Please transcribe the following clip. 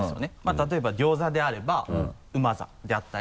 例えば「ぎょうざ」であれば「うまざ」であったり。